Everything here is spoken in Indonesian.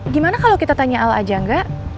gimana kalau kita tanya al aja enggak